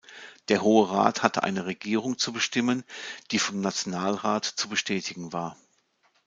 Der Hohe Rat hatte eine Regierung zu bestimmen, die vom Nationalrat zu bestätigen war.